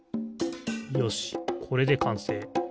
よしこれでかんせい。